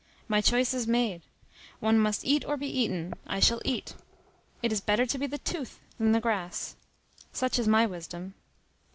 My choice is made. One must eat or be eaten. I shall eat. It is better to be the tooth than the grass. Such is my wisdom.